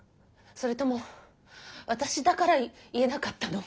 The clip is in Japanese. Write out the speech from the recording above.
それとも私だから言えなかったの？